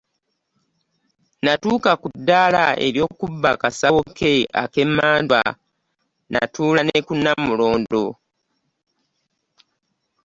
Natuuka kuddala ery'okuba akasawoke akemandwa natuula nekunnamulondo.